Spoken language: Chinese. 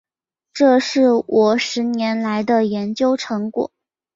这是我十年来的研究成果